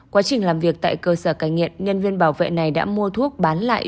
quá trình làm việc tại cơ sở cai nghiện nhân viên bảo vệ này đã mua thuốc bán lại